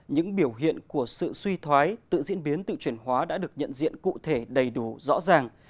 những biểu hiện của sự suy thoái tự diễn biến tự chuyển hóa đã được nhận diện cụ thể đầy đủ rõ ràng